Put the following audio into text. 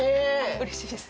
うれしいです。